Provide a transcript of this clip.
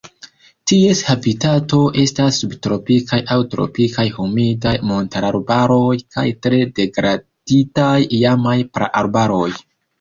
Ties habitato estas subtropikaj aŭ tropikaj humidaj montararbaroj kaj tre degraditaj iamaj praarbaroj.